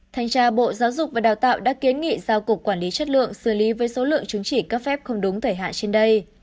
thanh tra bộ giáo dục và đào tạo đã kiến nghị giao cục quản lý chất lượng xử lý với số lượng chứng chỉ cấp phép không đúng thời hạn trên đây